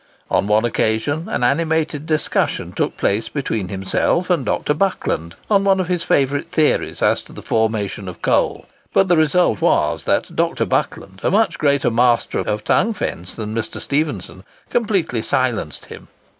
On one occasion, an animated discussion took place between himself and Dr. Buckland on one of his favourite theories as to the formation of coal. But the result was, that Dr. Buckland, a much greater master of tongue fence than Mr. Stephenson, completely silenced him.